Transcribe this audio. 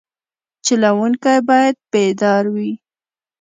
چلوونکی باید بیدار وي.